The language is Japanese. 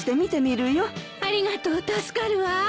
ありがとう助かるわ。